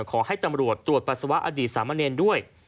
ขอให้ตำรวจตรวจปัสสาวะอดีตสามเณรด้วย